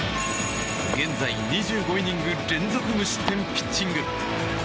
現在、２５イニング連続無失点ピッチング。